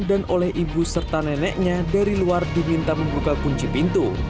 dan oleh ibu serta neneknya dari luar diminta membuka kunci pintu